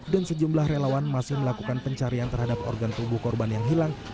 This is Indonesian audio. dan sejumlah relawan masih melakukan pencarian terhadap organ tubuh korban yang hilang